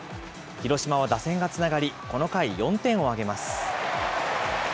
広島は打線がつながり、この回、４点を挙げます。